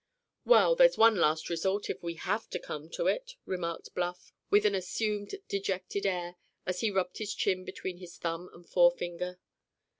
"Well, there's one last resort, if we have to come to it!" remarked Bluff, with an assumed dejected air, as he rubbed his chin between his thumb and forefinger.